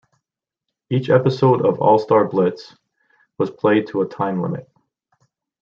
Each episode of "All-Star Blitz" was played to a time limit.